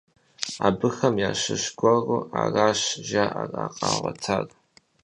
Абыхэм ящыщ гуэру аращ жаӏэр а къагъуэтар.